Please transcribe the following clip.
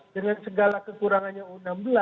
dengan segala kekurangannya u enam belas